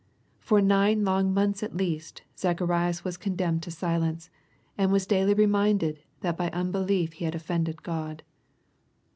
For nine long months at least, Zacharias was condemned to silence, and was daily reminded, that by unbelief he had offended God.